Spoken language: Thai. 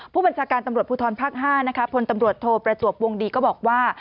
ผู้บัญชาการตำรวจภูทรภาค๕พลตำรวจโทประจวบวงดีก็บอกว่า